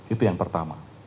itu yang pertama